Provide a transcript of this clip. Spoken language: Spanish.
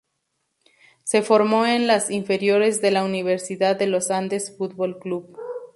Se formó en las inferiores de la Universidad de Los Andes Fútbol Club.